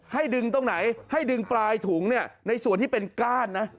ดึงตรงไหนให้ดึงปลายถุงเนี่ยในส่วนที่เป็นก้านนะ